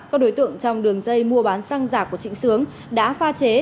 các đối tượng trong đường dây mua bán xăng giả của trịnh sướng đã pha chế